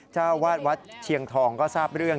เจ้าวาดวัดเชียงทองก็ทราบเรื่อง